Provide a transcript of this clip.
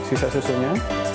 masukkan lagi sisa susunya